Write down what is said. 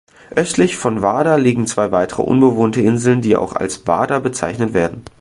Östlich von Warder liegen zwei weitere unbewohnte Inseln, die auch als "Warder" bezeichnet werden.